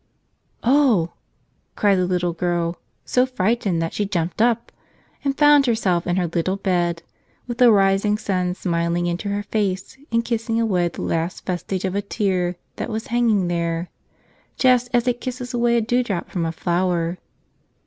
"Oh!" cried the little girl, so frightened that she jumped up — and found herself in her little bed, with the rising sun smiling into her face and kissing away the last vestige of a tear that was hanging there, just as it kisses away a dewdrop from a flower.